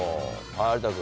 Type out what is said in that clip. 有田君。